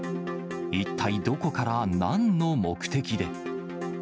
一体どこから、なんの目的で。